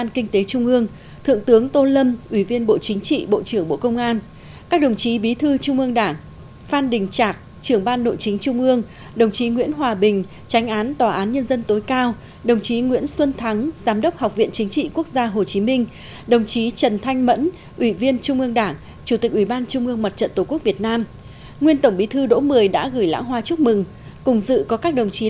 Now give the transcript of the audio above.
kinh tế trung ương thượng tướng tô lâm ủy viên bộ chính trị bộ trưởng bộ công an các đồng chí bí thư trung ương đảng phan đình trạc trưởng ban nội chính trung ương đồng chí nguyễn hòa bình tránh án tòa án nhân dân tối cao đồng chí nguyễn xuân thắng giám đốc học viện chính trị quốc gia hồ chí minh đồng chí trần thanh mẫn ủy viên trung ương đảng chủ tịch ủy ban trung ương mặt trận tổ quốc việt nam nguyên tổng bí thư đỗ mười đã gửi lãng hoa chúc mừng cùng dự có các đồng chí